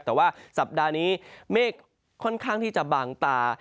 แต่ว่าสัปดาห์นี้เมฆค่อนข้างที่จะบางตา